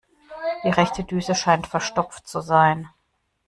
Die rechte Düse scheint verstopft zu sein.